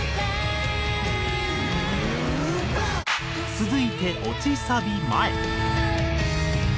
続いて落ちサビ前。